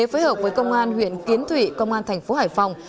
phối hợp với công an huyện kiến thủy công an thành phố hải phòng